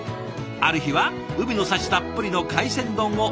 ある日は海の幸たっぷりの海鮮丼を。